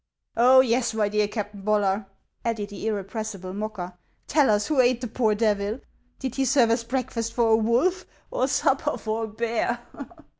" Oh, yes, my dear Captain Bollar," added the irrepres sible mocker ;" tell us who ate the poor devil. Did he serve as breakfast for a wolf, or supper for a bear